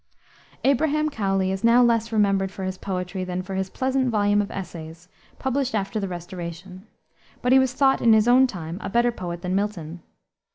Abraham Cowley is now less remembered for his poetry than for his pleasant volume of Essays, published after the Restoration; but he was thought in his own time a better poet than Milton.